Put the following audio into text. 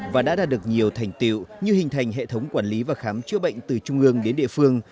và đã đạt được nhiều thành tiệu như hình thành hệ thống quản lý và khám chữa bệnh từ trung ương đến địa phương